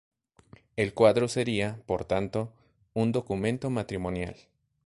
El cuadro sería, por tanto, un documento matrimonial.